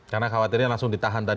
karena khawatirnya langsung ditahan tadi